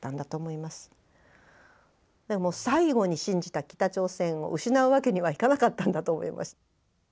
でも最後に信じた北朝鮮を失うわけにはいかなかったんだと思います。